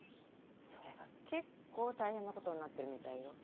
それが結構大変なことになってるみたいよ。